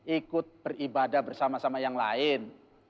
ikut beribadah bersama sama yang lain